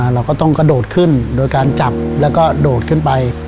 เราก็ต้องกระโดดขึ้นโดยการจับแล้วก็โดดขึ้นไป